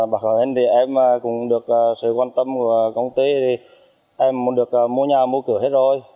bằng hình thì em cũng được sự quan tâm của công ty em cũng được mua nhà mua cửa hết rồi